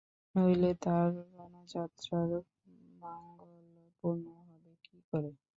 নইলে তাঁর রণযাত্রার মাঙ্গল্য পূর্ণ হবে কী করে?